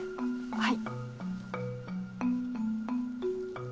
はい。